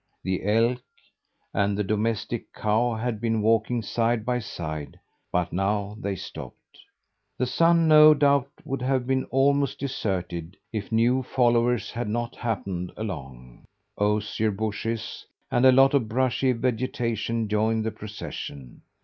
The elk and the domestic cow had been walking side by side, but now they stopped. The Sun no doubt would have been almost deserted if new followers had not happened along. Osier bushes and a lot of brushy vegetation joined the procession.